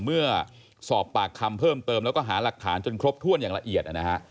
เมื่อสอบปากคำเพิ่มเติมแล้วก็หาหลักฐานจนครบถ้วนอย่างละเอียดนะฮะ